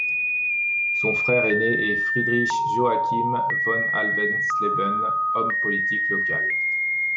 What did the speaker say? Son frère aîné est Friedrich Joachim von Alvensleben, homme politique local.